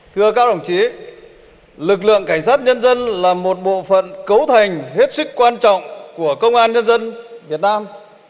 thưa các đồng chí lực lượng cảnh sát nhân dân là một bộ phận cấu thành hết sức quan trọng của công an nhân dân việt nam